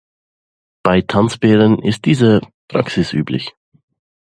Bei Tanzbären ist diese Praxis üblich.